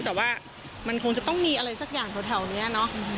แต่ว่ามันคงจะต้องมีอะไรสักอย่างแถวนี้เนอะ